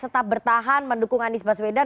tetap bertahan mendukung anies baswedan